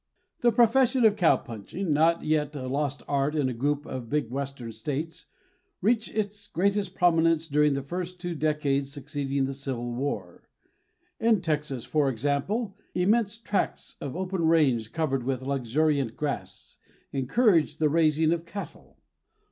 The profession of cow punching, not yet a lost art in a group of big western states, reached its greatest prominence during the first two decades succeeding the Civil War. In Texas, for example, immense tracts of open range, covered with luxuriant grass, encouraged the raising of cattle.